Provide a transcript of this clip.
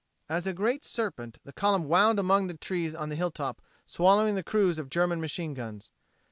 As a great serpent the column wound among the trees on the hilltop swallowing the crews of German machine guns.